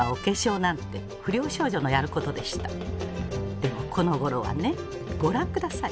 でもこのごろはねご覧下さい。